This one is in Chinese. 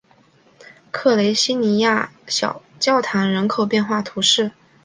格雷西尼亚克小教堂人口变化图示